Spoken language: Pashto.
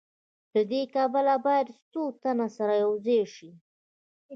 له دې کبله باید څو تنه سره یوځای شي